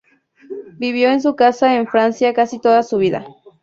Vivió en su casa en Francia casi toda su vida.